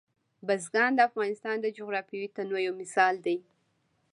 بزګان د افغانستان د جغرافیوي تنوع یو مثال دی.